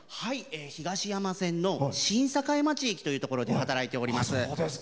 東山線の新栄町という駅で働いております。